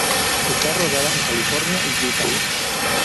Está rodada en California y Utah.